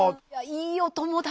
いいお友達。